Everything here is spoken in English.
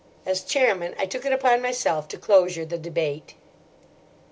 As chairman I took it upon myself to closure the debate.